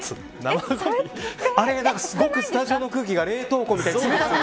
すごくスタジオの空気が冷凍庫みたい。